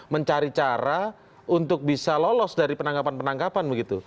mencari cara untuk bisa lolos dari penangkapan penangkapan begitu